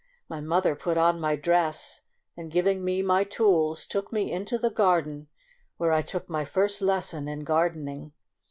My mother put on my dress, and giving me my tools took me into the garden, where I took my first lesson in gardening.